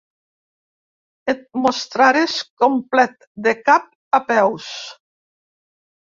Et mostrares complet, de cap a peus.